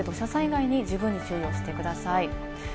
夕方にかけて土砂災害に十分に注意をしてください。